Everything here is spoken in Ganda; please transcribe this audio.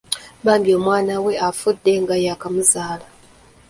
Bambi omwana we afudde nga yakamuzaala.